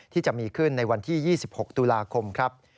ที่จะมีขึ้นในวันที่๒๖ตุลาคมครับ